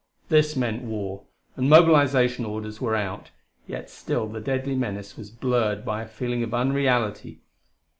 This meant war; and mobilization orders were out; yet still the deadly menace was blurred by a feeling of unreality.